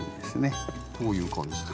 こういう感じで。